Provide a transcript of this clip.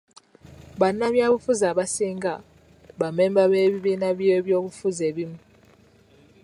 Bannabyabufuzi abasinga ba mmemba b'ebibiina by'ebyobufuzi ebimu.